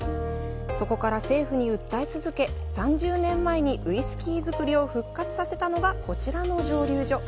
そこから政府に訴え続け３０年前にウイスキー造りを復活させたのがこちらの蒸留所。